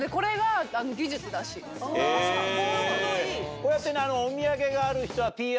こうやってね。